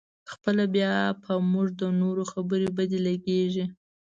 خپله بیا په موږ د نورو خبرې بدې لګېږي.